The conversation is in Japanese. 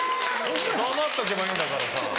黙っとけばいいんだからさ。